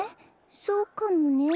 そうかもね。